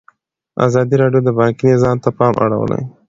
ازادي راډیو د بانکي نظام ته پام اړولی.